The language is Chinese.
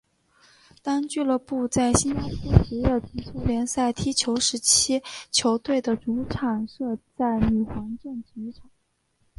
当俱乐部在新加坡职业足球联赛踢球时期球队的主场设在女皇镇体育场。